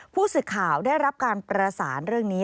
ผู้สื่อข่าวได้รับการประสานเรื่องนี้